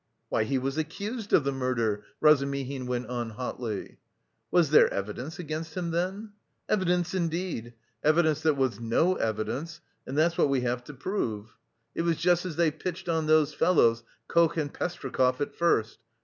"Why, he was accused of the murder," Razumihin went on hotly. "Was there evidence against him then?" "Evidence, indeed! Evidence that was no evidence, and that's what we have to prove. It was just as they pitched on those fellows, Koch and Pestryakov, at first.